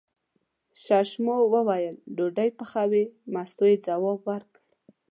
ششمو وویل: ډوډۍ پخوې، مستو یې ځواب ورکړ.